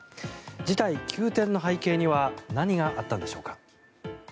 事態急転の背景には何があったんでしょうか。